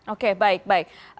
oke baik baik